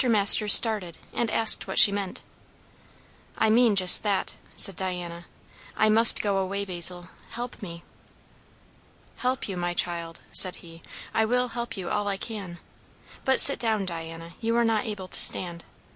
Masters started, and asked what she meant. "I mean just that," said Diana. "I must go away Basil, help me!" "Help you, my child?" said he; "I will help you all I can. But sit down, Diana; you are not able to stand.